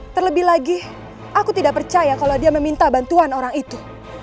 terlebih lagi aku tidak percaya kalau dia meminta bantuan orang itu